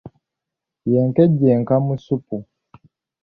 Ye nkejje enka mu ssupu.